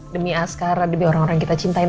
demi askara demi orang orang yang kita cintai